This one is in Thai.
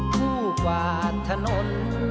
คู่กวาดถนน